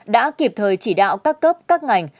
đã kịp thời chỉ đạo các cấp các ngành